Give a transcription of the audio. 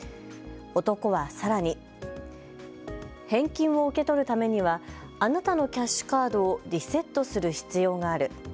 男はさらに、返金を受け取るためにはあなたのキャッシュカードをリセットする必要がある。